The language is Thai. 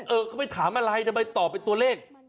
เออก็ไปถามอะไรแต่ไม่ตอบเป็นตัวเลข